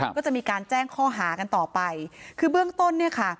ก็จะมีการแจ้งข้อหากันต่อไปคือเบื้องต้นเนี่ยค่ะ